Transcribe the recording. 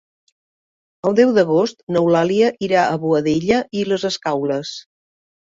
El deu d'agost n'Eulàlia irà a Boadella i les Escaules.